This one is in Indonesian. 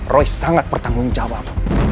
roy sangat bertanggung jawab